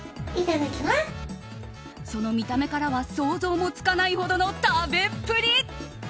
その見た目からは想像もつかないほどの食べっぷり。